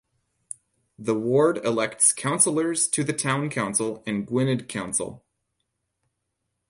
The ward elects councillors to the town council and Gwynedd Council.